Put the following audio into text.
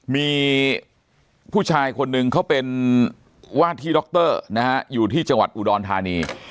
มีผู้ชายคนหนึ่งเขาเป็นวาดที่ดรนะฮะอยู่ที่จังหวัดอุดรธานี